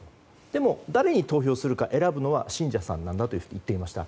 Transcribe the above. でも、誰に投票するか選ぶのは信者さんだと言っていました。